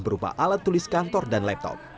berupa alat tulis kantor dan laptop